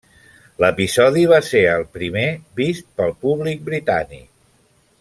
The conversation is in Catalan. L'episodi va ser el primer vist pel públic britànic.